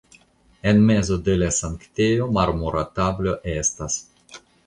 En mezo de la sanktejo marmora tablo estas.